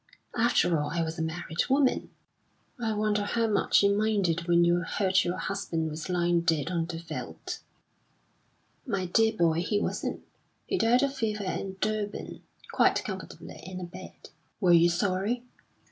"After all, I was a married woman." "I wonder how much you minded when you heard your husband was lying dead on the veldt?" "My dear boy, he wasn't; he died of fever at Durban quite comfortably, in a bed." "Were you sorry?"